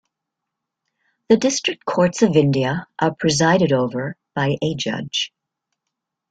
The District Courts of India are presided over by a judge.